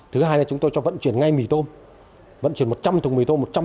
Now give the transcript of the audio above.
thứ hai là chúng tôi cho vận chuyển ngay mì tôm vận chuyển một trăm linh thùng mì tôm